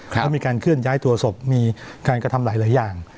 ก็มีการเคลื่อนย้ายตัวศพมีการกระทำหลายอย่าง